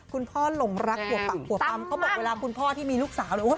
คุณพ่อหลงรักหัวปังหัวปังเขาบอกว่าเวลาคุณพ่อที่มีลูกสาว